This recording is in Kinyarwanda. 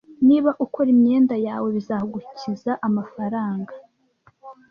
Niba ukora imyenda yawe, bizagukiza amafaranga.